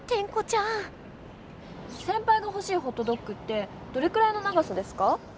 せんぱいがほしいホットドッグってどれくらいの長さですか？